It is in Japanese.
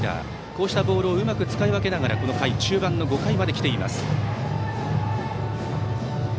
こうしたボールをうまく使い分けながら中盤の５回まで来ています。